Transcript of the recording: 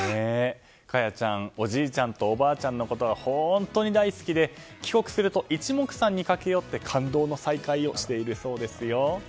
華耶ちゃん、おじいちゃんとおばあちゃんのことが本当に大好きで帰国すると、一目散に駆け寄って感動の再会をしているそうですよ。